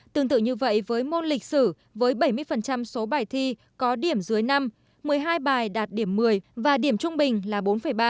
tương tự như vậy với môn lịch sử với bảy mươi số bài thi có điểm dưới năm một mươi hai bài đạt điểm một mươi và điểm trung bình là bốn ba